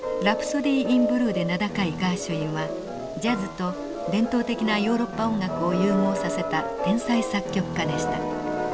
「ラプソディー・イン・ブルー」で名高いガーシュウィンはジャズと伝統的なヨーロッパ音楽を融合させた天才作曲家でした。